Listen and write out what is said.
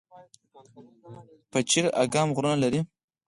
پچیر اګام غرونه لري؟